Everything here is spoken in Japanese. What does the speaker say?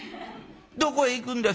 どこへ行くんです？